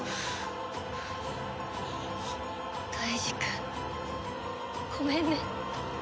大二くんごめんね。